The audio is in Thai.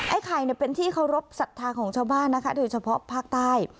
ไข่เป็นที่เคารพสัทธาของชาวบ้านนะคะโดยเฉพาะภาคใต้